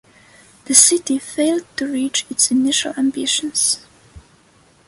The city failed to reach its initial ambitions.